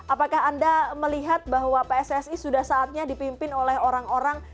apakah anda melihat bahwa pssi sudah saatnya dipimpin oleh orang orang